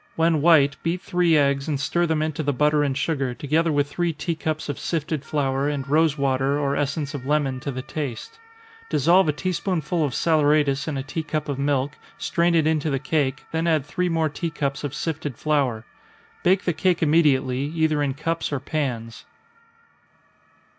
When white, beat three eggs, and stir them into the butter and sugar, together with three tea cups of sifted flour, and rosewater or essence of lemon to the taste. Dissolve a tea spoonful of saleratus in a tea cup of milk, strain it into the cake, then add three more tea cups of sifted flour. Bake the cake immediately, either in cups or pans.